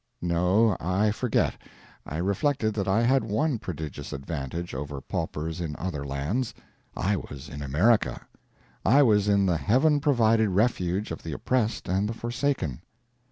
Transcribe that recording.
No, I forget. I reflected that I had one prodigious advantage over paupers in other lands I was in America! I was in the heaven provided refuge of the oppressed and the forsaken!